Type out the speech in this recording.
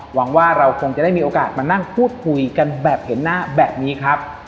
หวังว่าเราคงจะได้มีโอกาสมานั่งพูดคุยกันแบบเห็นหน้าแบบนี้ครับ